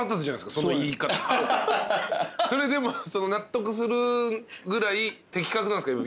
それでも納得するぐらい的確なんすか？